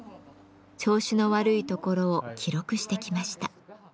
調子の悪いところを記録してきました。